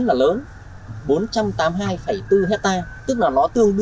nó là vùng trũng